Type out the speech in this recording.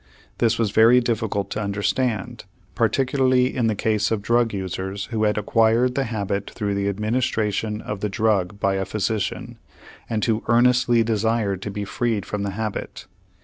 This was very difficult to understand, particularly in the case of drug users who had acquired the habit through the administration of the drug by a physician, and who earnestly desired to be freed from the habit.